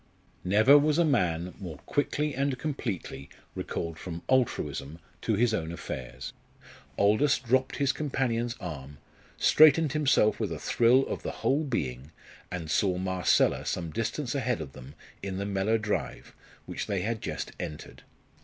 Never was a man more quickly and completely recalled from altruism to his own affairs. Aldous dropped his companion's arm, straightened himself with a thrill of the whole being, and saw Marcella some distance ahead of them in the Mellor drive, which they had just entered.